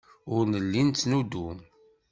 Ur nelli nettnuddum.